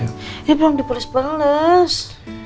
ini belum dipolis polis